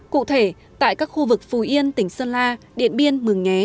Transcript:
cụ thể tại các khu vực phù yên tỉnh sơn la điện biên mường nhé